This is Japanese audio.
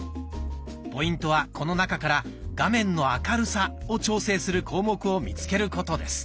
ポイントはこの中から「画面の明るさ」を調整する項目を見つけることです。